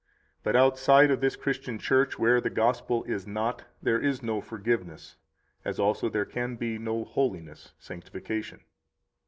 56 But outside of this Christian Church, where the Gospel is not, there is no forgiveness, as also there can be no holiness [sanctification].